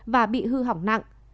và bị hư hỏng nặng